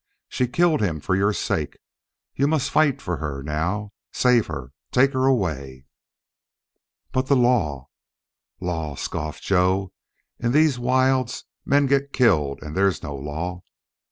She killed him for your sake.... You must fight for her now save her take her away." "But the law!" "Law!" scoffed Joe. "In these wilds men get killed and there's no law.